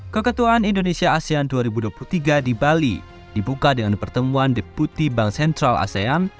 keketuaan indonesia asean dua ribu dua puluh tiga di bali dibuka dengan pertemuan deputi bank sentral asean